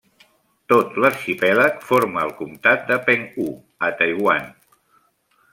Tot l'arxipèlag forma el Comtat de Penghu, a Taiwan.